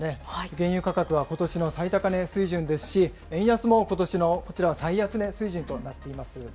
原油価格はことしの最高値水準ですし、円安もことしのこちら最安値水準となっています。